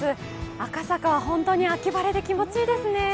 赤坂は本当に秋晴れで気持ちいいですね。